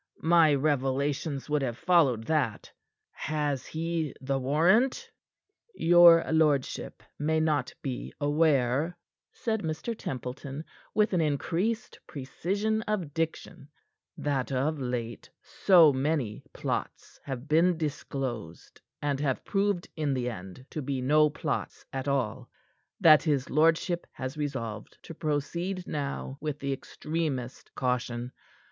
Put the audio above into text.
My revelations would have followed that. Has he the warrant?" "Your lordship may not be aware," said Mr. Templeton, with an increased precision of diction, "that of late so many plots have been disclosed and have proved in the end to be no plots at all, that his lordship has resolved to proceed now with the extremest caution.